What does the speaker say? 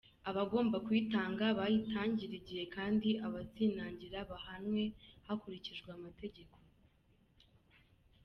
Abagomba kuyitanga bayitangire igihe kandi abazinagira bahanwe hakurikijwe amategeko”.